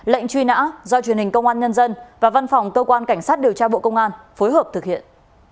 lệnh truy nã do truyền hình công an nhân dân và văn phòng cơ quan cảnh sát điều tra bộ công an phối hợp thực hiện